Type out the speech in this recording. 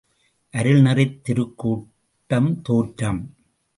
● அருள்நெறித் திருக்கூட்டம் தோற்றம்.